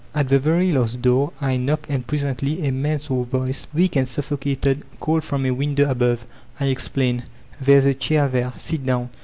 At the very last door I knocked, and presently a man's voice, weak and suffocated, called from a window above. I explained. — ^''There's a chair there; sit down.